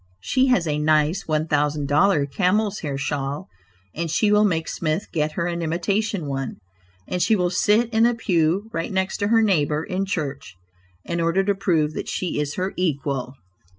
She has a nice one thousand dollar camel's hair shawl, and she will make Smith get her an imitation one, and she will sit in a pew right next to her neighbor in church, in order to prove that she is her equal.